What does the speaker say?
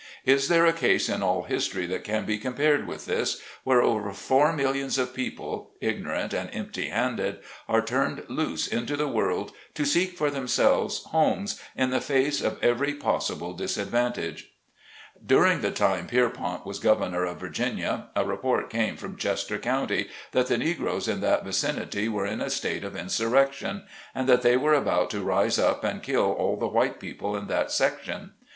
Is there a case in all history, that can be compared with this, where over four millions of people, ignorant and empty handed, are turned loose into the world to seek for themselves homes in the face of every pos sible disadvantage ? During the time Pierpont was governor of Vir ginia, a report came from Chester County, that the Negroes in that vicinity were in a state of insurrec tion, and that they were about to rise up and kill all the white people in that section.